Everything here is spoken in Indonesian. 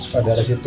pada hari itu